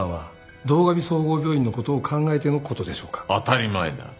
当たり前だ。